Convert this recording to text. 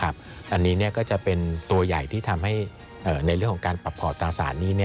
อันนี้ก็จะเป็นตัวใหญ่ที่ทำให้ในเรื่องของการปรับพอร์ตตราสารนี้